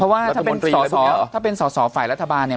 เพราะว่าถ้าเป็นสอสอฝ่ายรัฐบาลเนี่ย